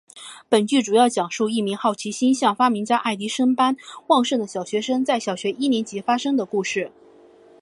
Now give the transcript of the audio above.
本剧主要讲述一名好奇心像发明家爱迪生般旺盛的小学生在小学一年级发生的故事。